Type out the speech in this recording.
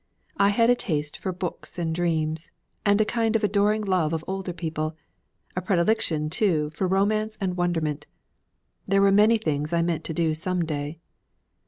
I had a taste for books and dreams, and a kind of adoring love of older people; a predilection, too, for romance and wonderment. There were many things I meant to do some day.